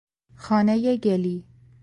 خانهی گلی